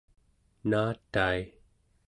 naatai